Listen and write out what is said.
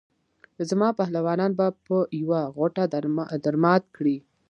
زما پهلوانان به په یوه غوټه درمات کړي.